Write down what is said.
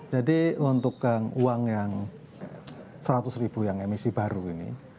jadi untuk uang yang seratus ribu yang emisi baru ini